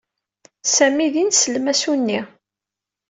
Sami d ineslem asunni.